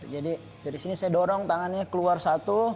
jadi dari sini saya dorong tangannya keluar satu